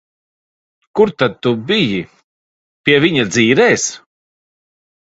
Kur tad tu biji? Pie viņa dzīrēs?